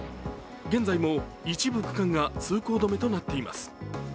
現在も一部区間が通行止めとなっています。